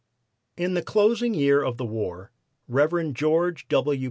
In the closing year of the war Rev. George W.